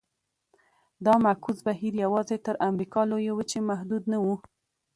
دا معکوس بهیر یوازې تر امریکا لویې وچې محدود نه و.